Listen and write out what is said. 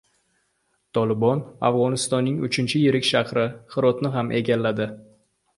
"Tolibon" Afg‘onistonning uchinchi yirik shahri — Hirotni ham egalladi